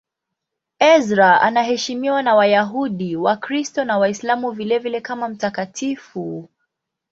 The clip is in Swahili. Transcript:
Ezra anaheshimiwa na Wayahudi, Wakristo na Waislamu vilevile kama mtakatifu.